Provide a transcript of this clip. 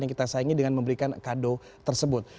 yang kita sayangi dengan memberikan kado tersebut